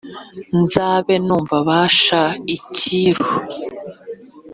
Nzabe numva bansha icyiru